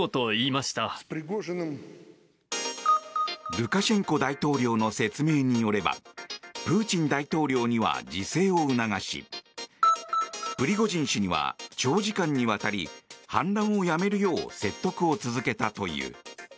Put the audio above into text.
ルカシェンコ大統領の説明によればプーチン大統領には自制を促しプリゴジン氏には長時間にわたり反乱をやめるよう説得を続けたという。